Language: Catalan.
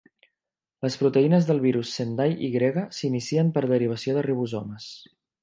Les proteïnes del virus Sendai Y s'inicien per derivació de ribosomes.